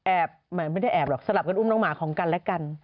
ไม่ได้แอบหรอกสลับกันอุ้มน้องหมาของกันและกัน